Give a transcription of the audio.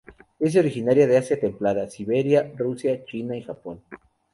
Es originaria de Asia templada; Siberia, Rusia, China y, Japón.